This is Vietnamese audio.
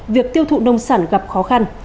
việc tiêu thụ nông sản gặp khó khăn